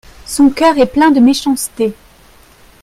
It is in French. Son cœur est plein de méchanceté.